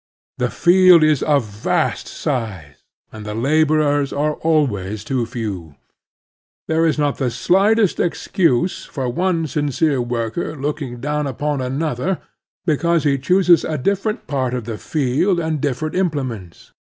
The field is of vast size, and the laborers are always too few. There is not the slightest excuse for one sincere worker looking down upon another because he chooses a different part of the field and different implements.